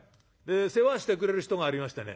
「世話してくれる人がありましてね